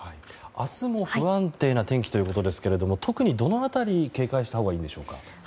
明日も不安定な天気ということですけれども特にどの辺りに警戒したほうがいいでしょうか？